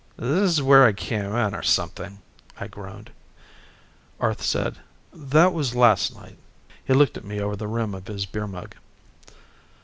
"This is where I came in, or something," I groaned. Arth said, "That was last night." He looked at me over the rim of his beer mug.